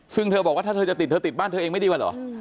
ซึ่งเธอบอกว่าถ้าเธอจะติดเธอติดบ้านเธอเองไม่ดีกว่าเหรอ